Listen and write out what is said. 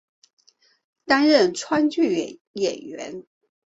担任川剧演员。